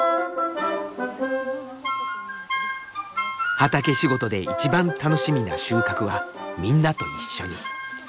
畑仕事で一番楽しみな収穫はみんなと一緒に。